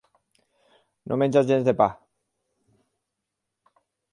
No menja gens de pa.